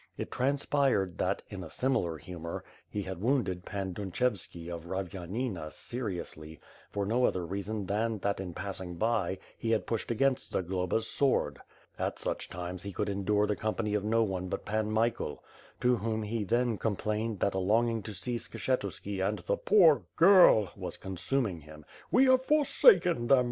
It transpired that, in a similar humor, he had wounded Pan Dunchevski of Ravianina severely; for no other reason than, that in passing by, he had pushed against Zagloba's sword: At such times, he could endure the com pany of no one but Pan Michael, to whom he then com plained that a longing to see Skshetuski and the 'poor girl' was consuming him. "We have forsaken them.